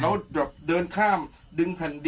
แล้วเดินข้ามดึงพันธุ์ดิน